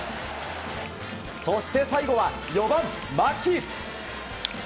そして最後は４番、牧。